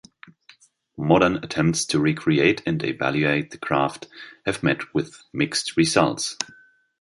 Modern attempts to recreate and evaluate the craft have met with mixed results.